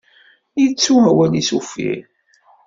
Yettu awal-is uffir.